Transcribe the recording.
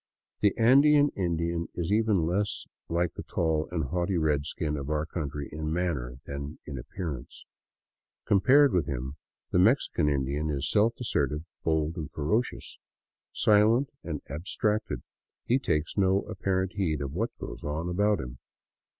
The Andean Indian is even less like the tall and haughty redskin of our country in manner than in appearance. Compared with him, the Mexican Indian is self assertive, bold, and ferocious. Silent and ab stracted, he takes no apparent heed of what goes on about him.